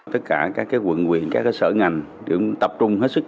tất cả các quận quyền các sở ngành tập trung hết sức